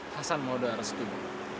hasan mau doa restu